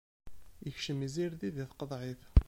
Ikcem izirdi di tqeḍɛit.